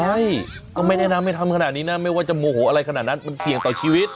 ใช่ก็ไม่แนะนำให้ทำขนาดนี้นะไม่ว่าจะโมโหอะไรขนาดนั้นมันเสี่ยงต่อชีวิต